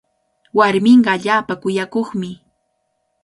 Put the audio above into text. Warminqa allaapa kuyakuqmi.